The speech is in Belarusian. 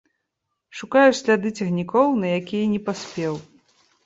Шукаеш сляды цягнікоў, на якія не паспеў.